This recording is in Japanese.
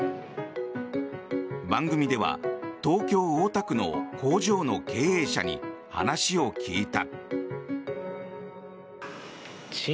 番組では東京・大田区の工場の経営者に話を聞いた。